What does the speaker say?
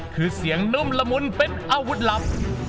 คือเสียงนุ่มละมุนเป็นอาวุธลับ